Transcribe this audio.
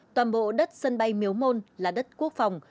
toàn bộ đất sân bay miếu môn là đất quốc phòng